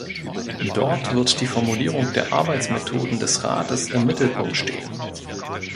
Dort wird die Formulierung der Arbeitsmethoden des Rates im Mittelpunkt stehen.